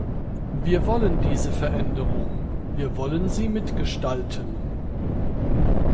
Wir wollen diese Veränderung. Wir wollen sie mitgestalten.